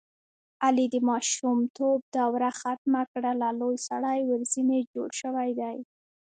علي د ماشومتوب دروه ختمه کړله لوی سړی ورځنې جوړ شوی دی.